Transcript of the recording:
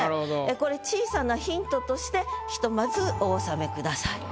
これ小さなヒントとしてひとまずおおさめください。